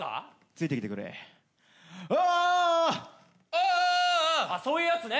あっそういうやつね。